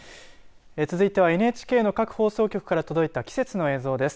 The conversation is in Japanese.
続いてはＮＨＫの各放送局から届いた季節の映像です。